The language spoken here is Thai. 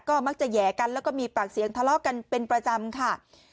ก็มักจะแห่กันแล้วก็มีปากเสียงทะเลาะกันเป็นประจำค่ะ